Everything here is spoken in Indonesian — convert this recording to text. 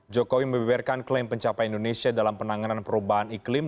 jokowi mebeberkan klaim pencapaian indonesia dalam penanganan perubahan iklim